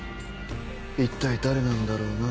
一体誰なんだろうな？